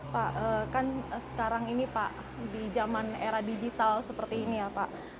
pak kan sekarang ini pak di zaman era digital seperti ini ya pak